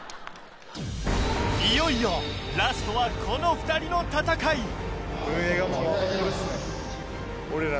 いよいよラストはこの２人の戦い！